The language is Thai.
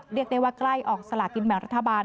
เรียกได้ว่าใกล้ออกสลากินแบ่งรัฐบาล